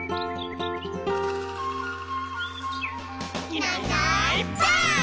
「いないいないばあっ！」